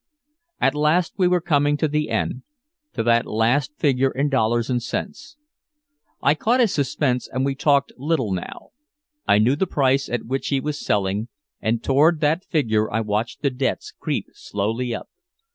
At last we were coming to the end to that last figure in dollars and cents. I caught his suspense and we talked little now. I knew the price at which he was selling, and toward that figure I watched the debts creep slowly up.